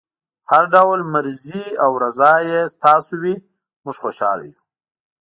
هر ډول مرضي او رضای تاسو وي موږ خوشحاله یو.